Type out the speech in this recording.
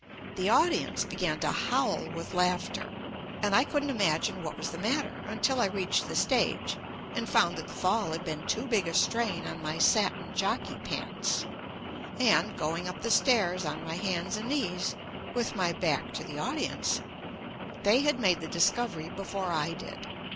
The audience began to howl with laughter, and I couldn't imagine what was the matter, until I reached the stage and found that the fall had been too big a strain on my satin jockey pants, and — going up the stairs on my hands and knees — with my back to the audience, they had made the discovery before I did.